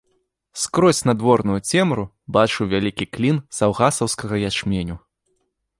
Скрозь надворную цемру бачыў вялікі клін саўгасаўскага ячменю.